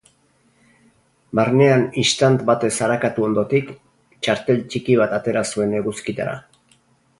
Barnean istant batez arakatu ondotik, txartel ttiki bat atera zuen eguzkitara.